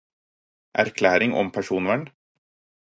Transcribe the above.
Erklæring om personvern